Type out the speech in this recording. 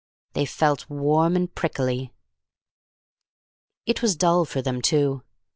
They felt warm and prickly. It was dull for them, too.